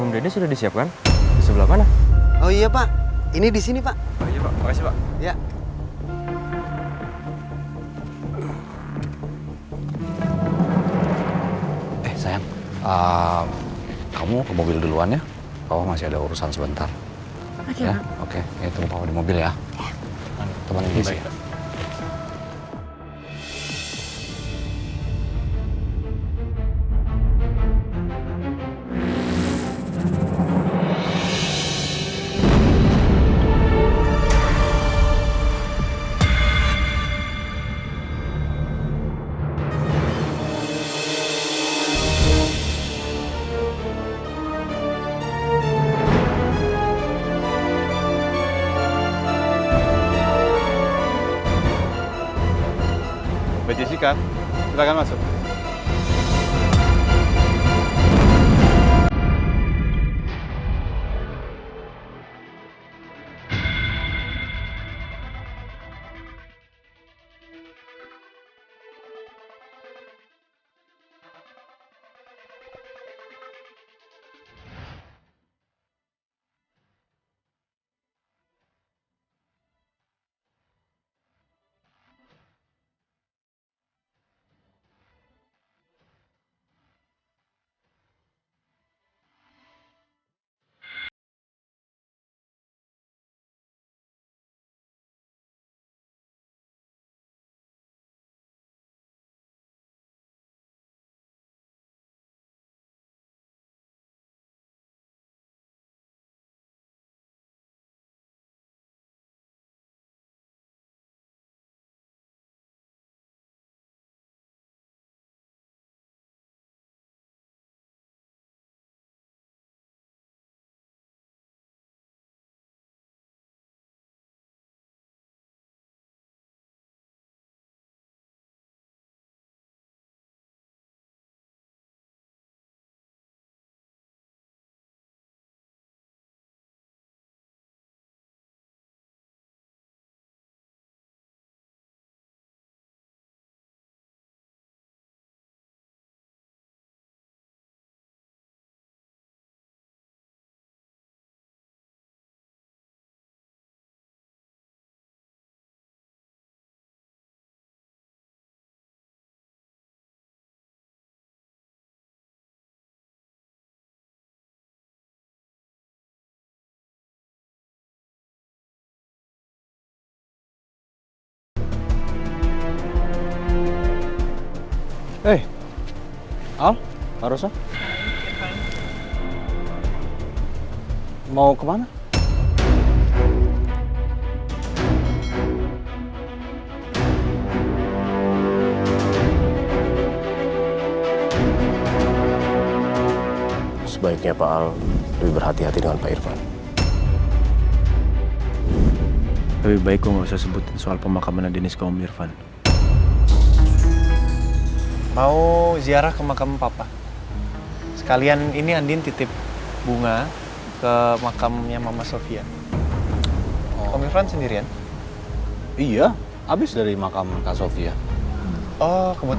tentu sofia pasti senang banget tau kamu akhirnya udah di rumah sama om